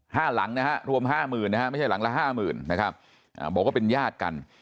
ห้าหลังรวมห้าหมื่นไม่ใช่หลังละ๕หมื่นนะครับบอกว่าเป็นญาติกัน